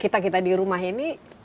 kita kita di rumah ini